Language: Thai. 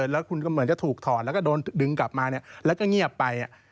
แล้วคุณก็เหมือนจะถูกถอดแล้วก็โดนดึงกลับมาแล้วก็เงียบไป